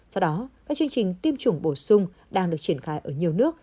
do đó các chương trình tiêm chủng bổ sung đang được triển khai ở nhiều nước